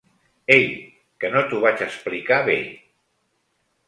Ei, que no t'ho vaig explicar bé.